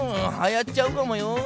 はやっちゃうかもよ。